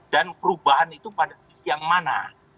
dan perubahan itu pada sisi yang mana